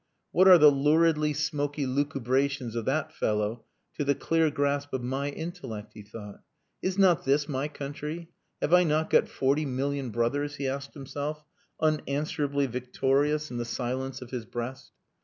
"What are the luridly smoky lucubrations of that fellow to the clear grasp of my intellect?" he thought. "Is not this my country? Have I not got forty million brothers?" he asked himself, unanswerably victorious in the silence of his breast.